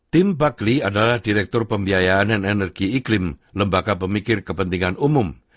tim bagli adalah direktur pembiayaan dan energi iklim lembaga pemikir kepentingan umum